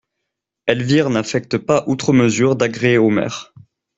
Elvire n'affecte pas outre mesure d'agréer Omer.